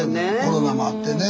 コロナもあってね。